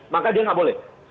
maka dia gak boleh